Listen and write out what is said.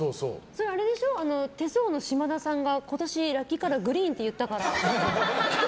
手相の島田さんが今年、ラッキーカラーグリーンって言ったからでしょ？